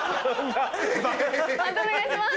判定お願いします。